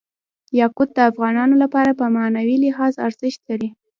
یاقوت د افغانانو لپاره په معنوي لحاظ ارزښت لري.